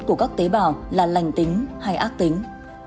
của các tế bào là lành tính hay ác tính